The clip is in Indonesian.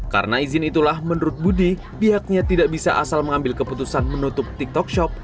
karena izin itulah menurut budi pihaknya tidak bisa asal mengambil keputusan menutup tiktok shop